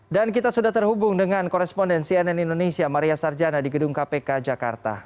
dan kita sudah terhubung dengan koresponden cnn indonesia maria sarjana di gedung kpk jakarta